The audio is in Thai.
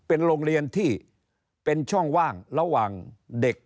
เป็นโรงเรียนที่เป็นช่องว่างระหว่างเด็ก